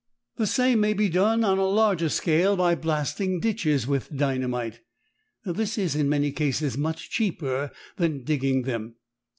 The same may be done on a larger scale by blasting ditches with dynamite. This is in many cases much cheaper than digging them.